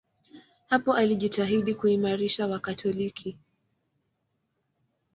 Hapo alijitahidi kuimarisha Wakatoliki.